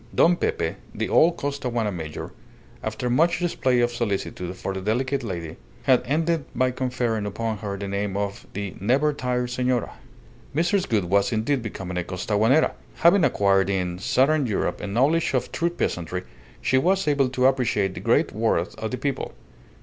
Don Pepe the old Costaguana major after much display of solicitude for the delicate lady, had ended by conferring upon her the name of the "Never tired Senora." Mrs. Gould was indeed becoming a Costaguanera. Having acquired in Southern Europe a knowledge of true peasantry, she was able to appreciate the great worth of the people.